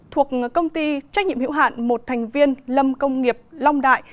thuộc công ty trách nhiệm hữu hạn một thành viên lâm công nghiệp long đại